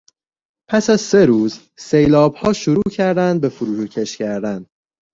پس از سه روز سیلابها شروع کردند به فروکش کردن.